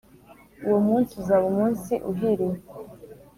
Uwo munsi uzab’ umuns’ uhiriwe,